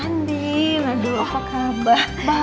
andi aduh apa kabar